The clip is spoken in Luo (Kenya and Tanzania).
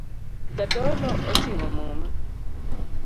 Jadolo oting'o muma